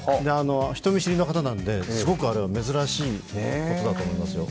人見知りな方なのですごくあれは珍しいことだと思いますよ。